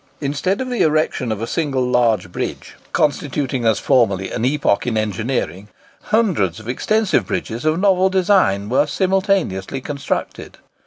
Instead of the erection a single large bridge constituting, as formerly, an epoch in engineering, hundreds of extensive bridges of novel design were simultaneously constructed.